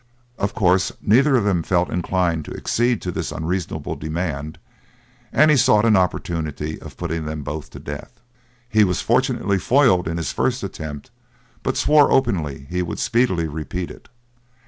Of course neither of them felt inclined to accede to this unreasonable demand; and he sought an opportunity of putting them both to death. He was fortunately foiled in his first attempt, but swore openly he would speedily repeat it.